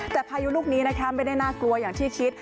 แต่พายุลูกนี้นะคะไม่ได้น่ากลัวอย่างที่คิด